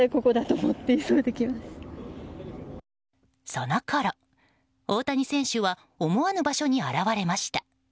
そのころ、大谷選手は思わぬ場所に現れました。